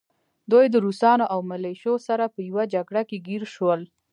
دوی د روسانو او ملیشو سره په يوه جګړه کې ګیر شول